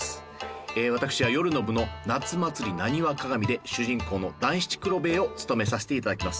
私は夜の部の「夏祭浪花鑑」で主人公の団七九郎兵衛を務めさせて頂きます。